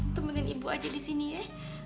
tungguin ibu aja disini ya